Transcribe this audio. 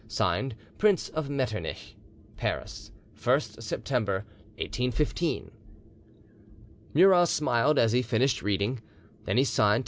"(Signed) PRINCE OF METTERNICH "PARIS, 1st Sept. 1815." Murat smiled as he finished reading, then he signed to M.